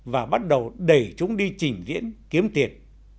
và bắt đầu đẩy chúng đi trình diễn kiếm tiền